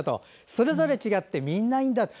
それぞれ違ってみんないいんだと。